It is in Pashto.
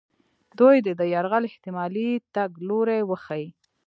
دوی دې د یرغل احتمالي تګ لوري وښیي.